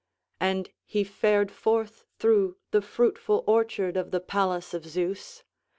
And he fared forth through the fruitful orchard of the palace of Zeus.